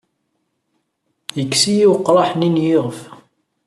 Yekkes-iyi weqraḥ-nni n yiɣef.